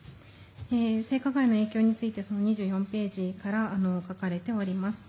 性加害の影響について２４ページから書かれております。